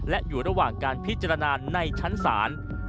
และอยู่ระหว่างการพิจารณาในชั้นศาล